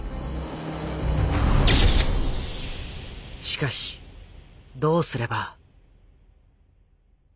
しかしどうすれば。